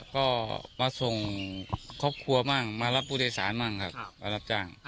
ก็มาส่งครอบครัวบ้างมารับผู้โดยสารบ้างครับมารับจ้าง